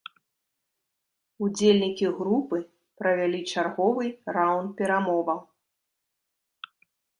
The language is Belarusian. Удзельнікі групы правялі чарговы раўнд перамоваў.